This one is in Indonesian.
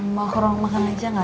mau ke ruang makan aja gak